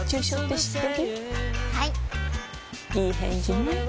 いい返事ね